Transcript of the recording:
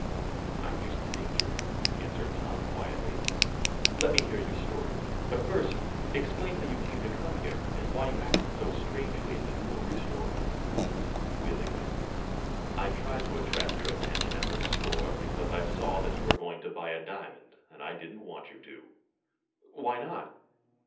"I'm used to danger," answered Tom, quietly. "Let me hear your story. But first explain how you came to come here, and why you acted so strangely at the jewelry store." "Willingly. I tried to attract your attention at the store, because I saw that you were going to buy a diamond, and I didn't want you to." "Why not?"